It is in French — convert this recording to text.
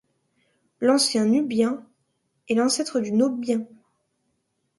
L'ancien nubien est l'ancêtre du nobiin.